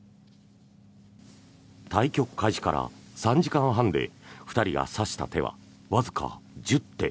対局開始から３時間半で２人が指した手はわずか１０手。